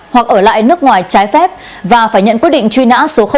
hoặc ở lại nước ngoài trái phép và phải nhận quyết định truy nã số hai